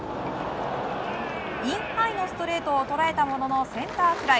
インハイのストレートを捉えたものの、センターフライ。